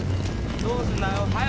どうすんだよ。